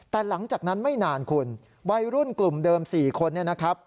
แต่หลังจากนั้นไม่นานคุณวัยรุ่นกลุ่มเดิม๔คนเนี่ยนะครับ